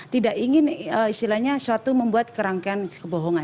tidak ingin istilahnya suatu membuat kerangkaian kebohongan